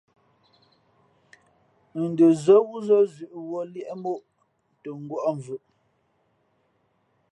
N dαzά wúzᾱ zʉ̌ʼ wuᾱ liēʼ ̀móʼ tα ngwα̌ʼ ̀mvʉʼ.